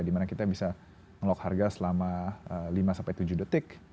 di mana kita bisa lock harga selama lima tujuh detik